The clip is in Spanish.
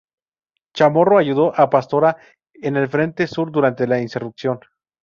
Chamorro ayudó a Pastora en el Frente Sur durante la insurrección.